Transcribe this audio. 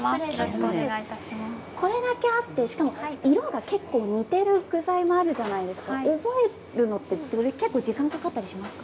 これだけあってしかも色が結構似ている具材があるじゃないですか覚えるのは結構時間がかかったりしますか。